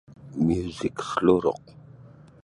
Muzik selorok